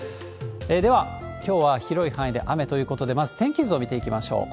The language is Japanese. では、きょうは広い範囲で雨ということで、まず天気図を見ていきましょう。